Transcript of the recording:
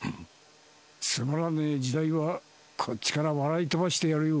つまらねえ時代はこっちから笑い飛ばしてやるよ。